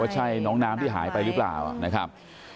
ใช่น้องน้ำที่หายไปหรือเปล่านะครับ